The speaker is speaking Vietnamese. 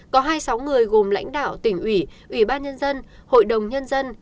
có hai mươi sáu người gồm lãnh đạo tỉnh ủy ủy ban nhân dân hội đồng nhân dân